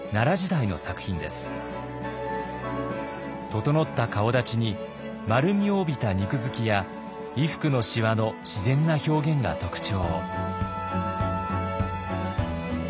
整った顔だちに丸みを帯びた肉づきや衣服のしわの自然な表現が特徴。